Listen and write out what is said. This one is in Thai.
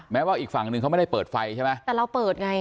ว่าอีกฝั่งหนึ่งเขาไม่ได้เปิดไฟใช่ไหมแต่เราเปิดไง